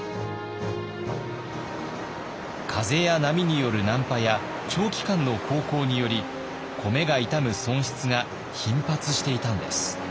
風や波による難破や長期間の航行により米が傷む損失が頻発していたんです。